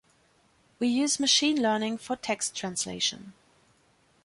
We use Machine Learning for text translation.